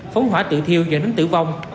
phóng hỏa tự thiêu dẫn đến tử vong